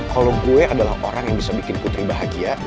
kalau gue adalah orang yang bisa bikin putri bahagia